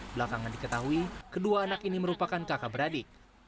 belakangan diketahui kedua anak ini merupakan kakak beradik